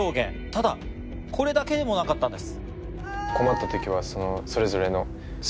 ただこれだけでもなかったんです。